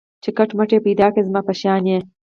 چي کټ مټ یې پیدا کړی زما په شان یې